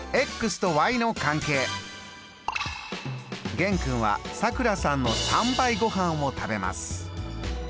玄君はさくらさんの３倍ごはんを食べます。